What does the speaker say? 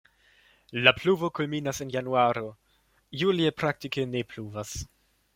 La pluvo kulminas en januaro, julie praktike ne pluvas.